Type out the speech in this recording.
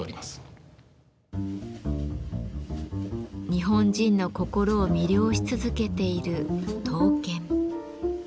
日本人の心を魅了し続けている刀剣。